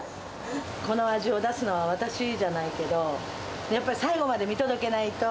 この味を出すのは私じゃないけど、やっぱり最後まで見届けないと。